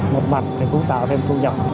một mặt thì cũng tạo thêm thu nhập